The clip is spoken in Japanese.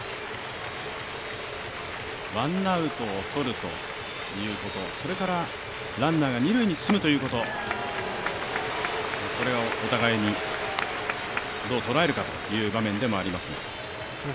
ワンアウトを取るということ、ランナーが二塁に進むということこれはお互いにどうとらえるかという場面でもあります。